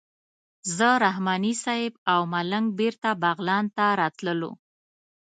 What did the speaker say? زه رحماني صیب او ملنګ بېرته بغلان ته راتللو.